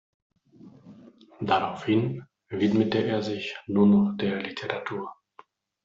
Daraufhin widmete er sich nur noch der Literatur.